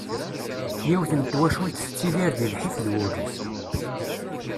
Yiwet n twacult tettidir di lḥif d wurrif.